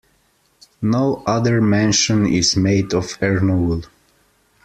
No other mention is made of Ernoul.